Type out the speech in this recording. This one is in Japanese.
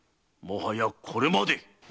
もはやこれまで！